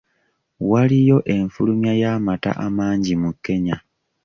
Waliyo enfulumya y'amata amangi mu Kenya